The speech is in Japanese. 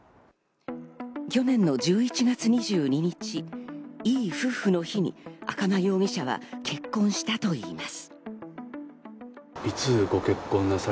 去年の１１月２２日、いい夫婦の日に赤間容疑者は結婚したといいます。